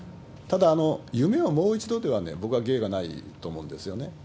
ただ、夢をもう一度というのはね、僕は芸がないと思うんですよね。